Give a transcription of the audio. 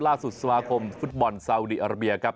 ล่าสุดสมาคมฟุตบอลซาวดีอาราเบียครับ